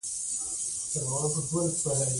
احمدشاه بابا به د خپلو دښمنانو پر وړاندي زړور و.